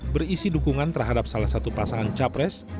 berisi dukungan terhadap salah satu pasangan capres